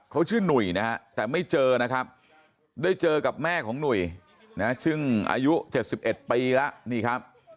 เขาชื่อหนุ่ยนะฮะแต่ไม่เจอนะครับได้เจอกับแม่ของหนุ่ยนะซึ่งอายุ๗๑ปีแล้วนี่ครับ